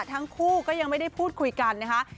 ทั้งคู่ก็ยังไม่ได้พูดคุยกันนะคะ